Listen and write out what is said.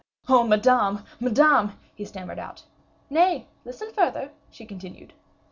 "Oh! Madame, Madame!" he stammered out. "Nay, listen further," she continued.